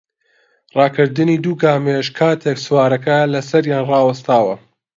ڕاکردنی دوو گامێش کاتێک سوارەکە لەسەریان ڕاوەستاوە